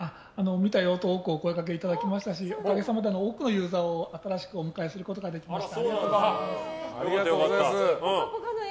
見たよとお声がけいただきましたしおかげさまで多くのユーザーを新しくお迎えすることができました。